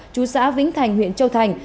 chú xã vĩnh thành huyện châu thành